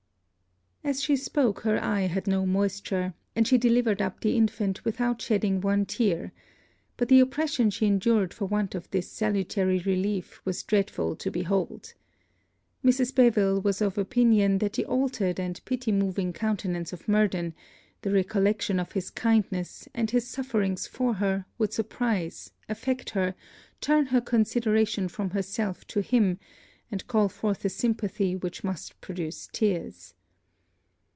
As she spoke her eye had no moisture; and she delivered up the infant without shedding one tear; but the oppression she endured for want of this salutary relief was dreadful to behold. Mrs. Beville was of opinion that the altered and pity moving countenance of Murden, the recollection of his kindness, and his sufferings for her would surprise, affect her, turn her consideration from herself to him, and call forth a sympathy which must produce tears.